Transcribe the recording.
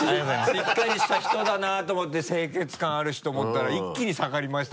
しっかりした人だなと思って清潔感あるしと思ったら一気に下がりましたね。